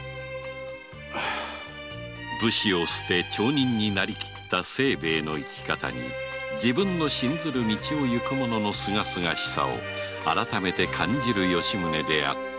武士を捨て町人になりきった清兵衛の生き方に信ずる道を行く者の清々しさを改めて感じる吉宗であった